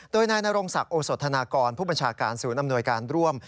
โดยนายนรงศักดิ์โอสธนากรผู้บัญชาการศูนย์อำนวยการร่วม